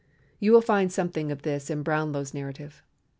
You will find something of this in Brownlow's narrative.